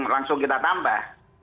langsung kita tambah